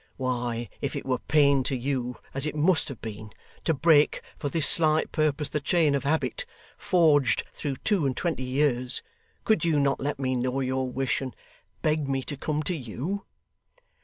Why, if it were pain to you (as it must have been) to break for this slight purpose the chain of habit forged through two and twenty years, could you not let me know your wish, and beg me to come to you?